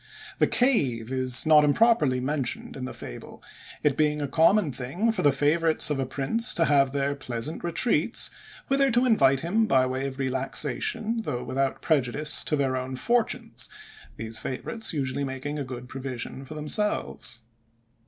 The cave is not improperly mentioned in the fable; it being a common thing for the favorites of a prince to have their pleasant retreats, whither to invite him, by way of relaxation, though without prejudice to their own fortunes; these favorites usually making a good provision for themselves.